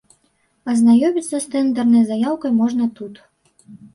Азнаёміцца з тэндэрнай заяўкай можна тут.